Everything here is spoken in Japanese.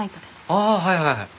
ああはいはいはい。